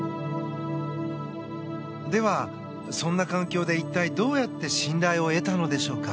では、そんな環境で一体どうやって信頼を得たのでしょうか。